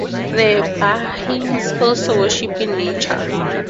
The Bahing also worship in Nature.